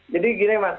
jadi gini mas